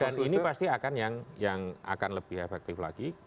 dan ini pasti akan yang akan lebih efektif lagi